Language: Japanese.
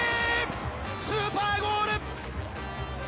スーパーゴール！